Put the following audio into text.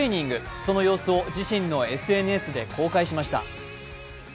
その様子を自身のＳＮＳで公開しました。